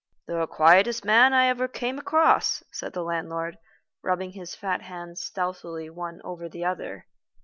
"The quietest man I ever came across," said the landlord, rubbing his fat hands stealthily one over the other.